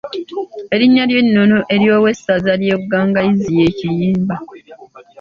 Erinnya ery’ennono ery’owessaza ly’e Bugangayizi ye Kiyimba.